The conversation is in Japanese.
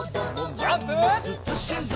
ジャンプ！